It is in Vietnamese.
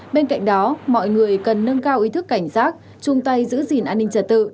bên cạnh đó mọi người cần nâng cao ý thức cảnh giác chung tay giữ gìn an ninh trật tự